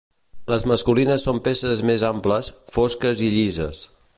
Les masculines són peces més amples, fosques i llises.